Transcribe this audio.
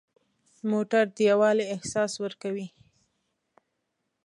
موټر د یووالي احساس ورکوي.